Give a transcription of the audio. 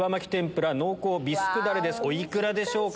お幾らでしょうか？